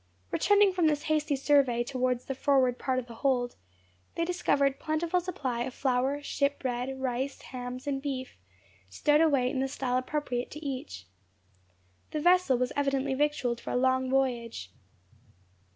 Returning from this hasty survey towards the forward part of the hold, they discovered a plentiful supply of flour, ship bread, rice, hams, and beef, stowed away in the style appropriate to each. The vessel was evidently victualled for a long voyage.